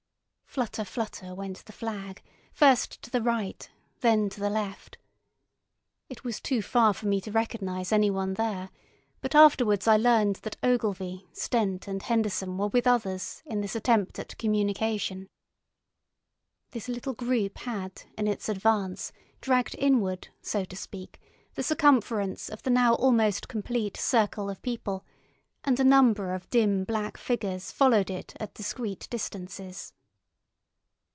Flutter, flutter, went the flag, first to the right, then to the left. It was too far for me to recognise anyone there, but afterwards I learned that Ogilvy, Stent, and Henderson were with others in this attempt at communication. This little group had in its advance dragged inward, so to speak, the circumference of the now almost complete circle of people, and a number of dim black figures followed it at discreet distances.